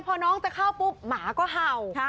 พอน้องจะเข้าปุ๊บหมาก็เห่า